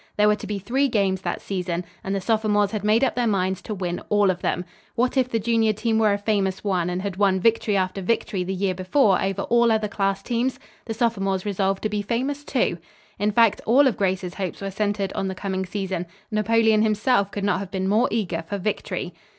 There were to be three games that season, and the sophomores had made up their minds to win all of them. What if the junior team were a famous one, and had won victory after victory the year before over all other class teams? The sophomores resolved to be famous, too. In fact, all of Grace's hopes were centered on the coming season. Napoleon himself could not have been more eager for victory.